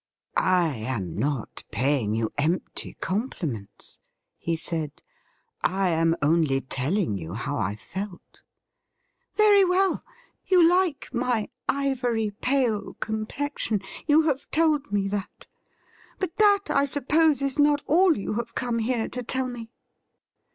' I am not paying you empty compliments,' he said ;' I am only telling you how I felt.' 'Very well, you like my ivory pale complexion. You have told me that. But that, I suppose, is not all you have come here to tell me.'